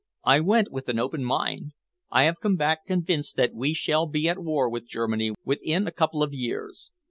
"I went with an open mind. I have come back convinced that we shall be at war with Germany within a couple of years."